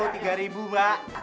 tiga ribu mak